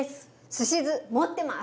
すし酢持ってます。